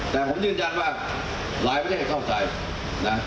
แต่ผมยืนยันว่าหลายประเทศเข้าใจนะ